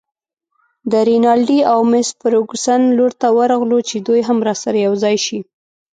د رینالډي او مس فرګوسن لور ته ورغلو چې دوی هم راسره یوځای شي.